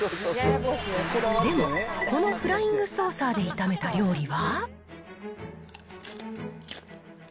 でも、このフライングソーサーで炒めた料理は。